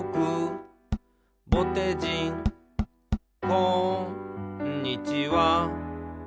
「こんにちは」